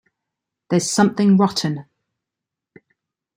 There's Something Rotten...